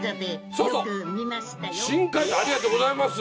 新開座ありがとうございます。